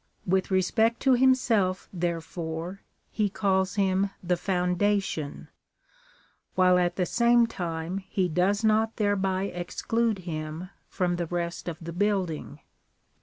With respect to himself there fore, he calls him the foundation, while at the same time he does not thereby exclude him from the rest of the building.